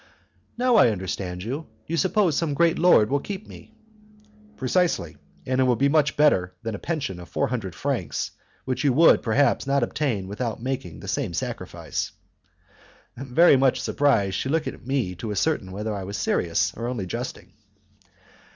"Now I understand you. You suppose some great lord will keep me?" "Precisely; and that will be much better than a pension of four hundred francs, which you would, perhaps, not obtain without making the same sacrifice." Very much surprised, she looked at me to ascertain whether I was serious or only jesting.